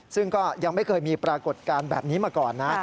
ซึ่งก็ยังไม่เคยมีปรากฏการณ์แบบนี้มาก่อนนะ